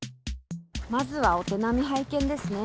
まずはお手並み拝見ですね。